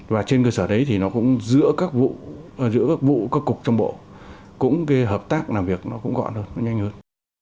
và trên cơ sở đấy giữa các vụ các cục trong bộ hợp tác làm việc cũng gọn hơn nhanh hơn